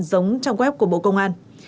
giống trong web của bộ công an